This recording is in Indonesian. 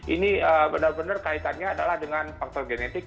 ini benar benar kaitannya adalah dengan faktor genetik